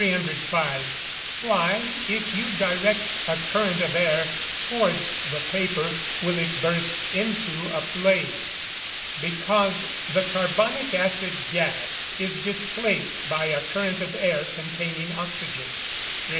Why, if you direct a current of air towards the paper, will it burst into a blaze? Because the carbonic acid gas is displaced by a current of air containing oxygen. 306.